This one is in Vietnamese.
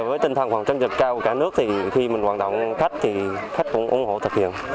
với tình thẳng khoảng trân trật cao của cả nước thì khi mình hoàn tọng khách thì khách cũng ủng hộ thực hiện